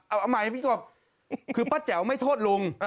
เอาใหม่พี่กบคือป้าแจ๋วไม่โทษลุง